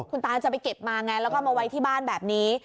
คุณตาจะไปเก็บมาไงแล้วก็มาไว้ที่บ้านแบบนี้